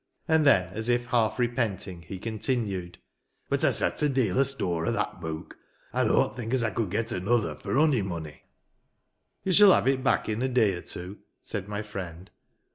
And then, as if half repenting, he continued, " But I set a deal o' store o' that book. I don't think as I could get another for ouy money." " Tou shall have it back in a day or two," said my friend.